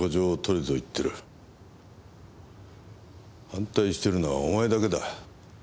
反対してるのはお前だけだ。